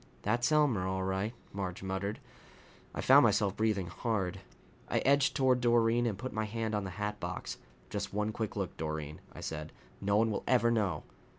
"That's Elmer, all right," Marge muttered. I found myself breathing hard. I edged toward Doreen and put my hand on the hatbox. "Just one quick look, Doreen," I said. "No one will ever know."